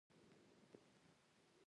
د حقونو درناوی د سولې او ثبات بنسټ دی.